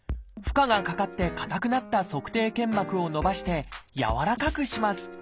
負荷がかかって硬くなった足底腱膜を伸ばしてやわらかくします